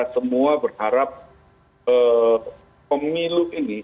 semua berharap pemilu ini